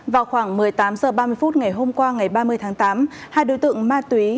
vào khoảng một mươi tám h ba mươi phút ngày hôm qua ngày ba mươi tháng tám hai đối tượng ma túy